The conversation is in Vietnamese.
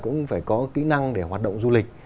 cũng phải có kỹ năng để hoạt động du lịch